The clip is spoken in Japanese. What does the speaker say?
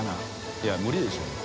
いや無理でしょ。